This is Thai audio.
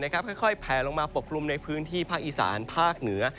ค่อยแผลลงมาปกกลุ่มในพื้นที่ภาคอีสานภาคเหนือ